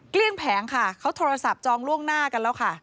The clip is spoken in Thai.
แผงค่ะเขาโทรศัพท์จองล่วงหน้ากันแล้วค่ะ